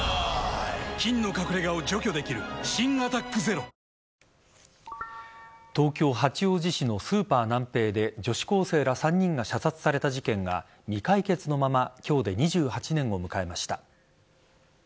菌の隠れ家を除去できる新「アタックＺＥＲＯ」東京・八王子市のスーパーナンペイで女子高生ら３人が射殺された事件が未解決のまま今日で２８年を迎えました。